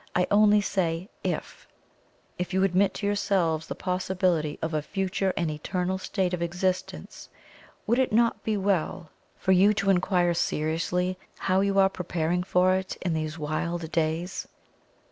I only say, IF IF you admit to yourselves the possibility of a future and eternal state of existence, would it not be well for you to inquire seriously how you are preparing for it in these wild days?